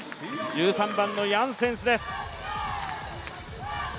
１３番のヤンセンスです。